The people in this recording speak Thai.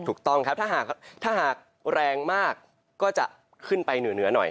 ถูกต้องครับถ้าหากแรงมากก็จะขึ้นไปเหนือหน่อย